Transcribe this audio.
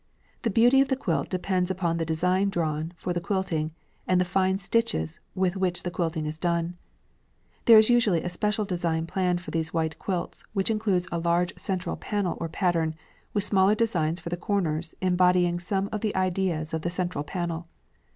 The beauty of the quilt depends upon the design drawn for the quilting and the fine stitches with which the quilting is done. There is usually a special design planned for these white quilts which includes a large central panel or pattern, with smaller designs for the corners embodying some of the ideas of the central panel.